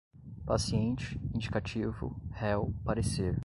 paciente, indicativo, réu, parecer